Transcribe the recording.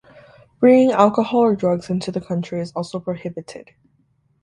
Bringing alcohol or drugs into the country is also prohibited.